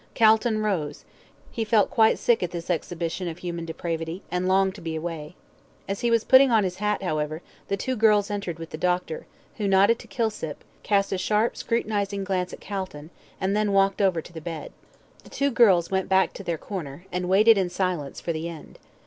Calton rose, he felt quite sick at this exhibition of human depravity, and longed to be away. As he was putting on his hat, however, the two girls entered with the doctor, who nodded to Kilsip, cast a sharp scrutinising glance at Calton, and then walked over to the bed. The two girls went back to their corner, and waited in silence for the end.